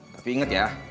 tapi inget ya